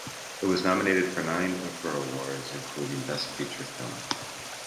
It was nominated for nine Ophir Awards including Best Feature Film.